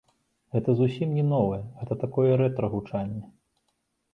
Гэта зусім не новае, гэта такое рэтра-гучанне.